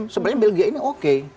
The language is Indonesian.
sebenarnya belgia ini oke